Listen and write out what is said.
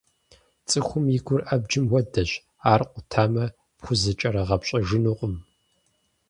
ЦӀыхум и гур абджым хуэдэщ, ар къутамэ, пхузэкӀэрыгъэпщӀэжынукъым.